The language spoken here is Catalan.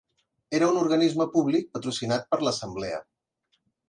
Era un organisme públic patrocinat per l'Assemblea.